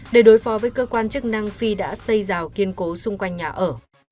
để đối phó với cơ quan chức năng phi đã xây rào kiên cố xung quanh nhà ở